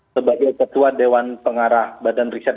sebagai ketua dewan pengarah badan riset